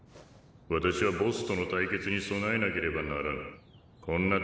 私はボッスとの対決に備えなければならん。